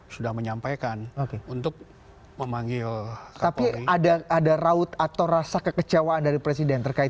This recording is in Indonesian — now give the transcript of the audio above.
sudah menyampaikan untuk memanggil tapi ada ada raut atau rasa kekecewaan dari presiden terkait